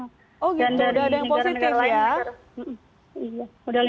oh gitu ada yang positif